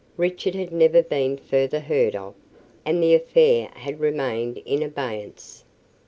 Richard had never been further heard of, and the affair had remained in abeyance.